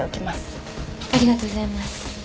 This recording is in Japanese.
ありがとうございます。